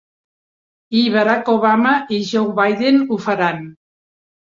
I Barack Obama i Joe Biden ho faran.